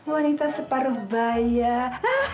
wanita separuh bayar